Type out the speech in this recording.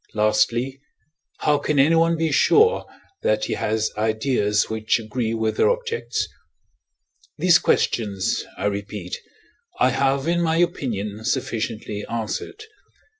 Lastly, how can anyone be sure, that he has ideas which agree with their objects? These questions, I repeat, I have, in my opinion, sufficiently answered.